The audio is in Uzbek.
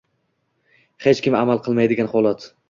Hech kim amal qilmaydigan holat.